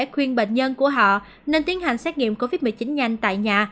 khuyên bệnh nhân của họ nên tiến hành xét nghiệm covid một mươi chín nhanh tại nhà